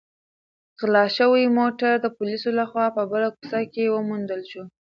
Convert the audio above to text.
غلا شوی موټر د پولیسو لخوا په بله کوڅه کې وموندل شو.